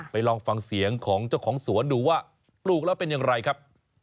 ลองฟังเสียงของเจ้าของสวนดูว่าปลูกแล้วเป็นอย่างไรครับ